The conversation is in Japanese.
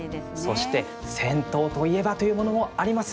そして、銭湯といえばというものもあります。